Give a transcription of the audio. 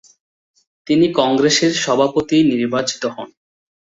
তিনি কংগ্রেসের সভাপতি নির্বাচিত হন।